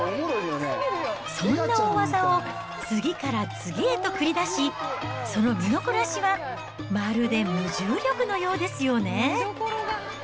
そんな大技を次から次へと繰り出し、その身のこなしは、まるで無重力のようですよね。